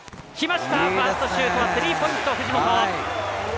ファーストシュートはスリーポイント、藤本。